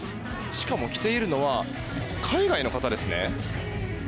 しかも、着ているのは海外の方ですね。